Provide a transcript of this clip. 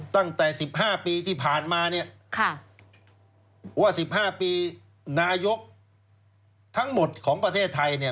ตั้งแต่๑๕ปีที่ผ่านมาเนี่ยว่า๑๕ปีนายกทั้งหมดของประเทศไทยเนี่ย